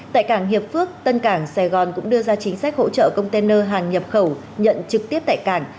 tại cảng hiệp phước tân cảng sài gòn cũng đưa ra chính sách hỗ trợ container hàng nhập khẩu nhận trực tiếp tại cảng